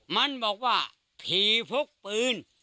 มันบอกว่าผีพกปืน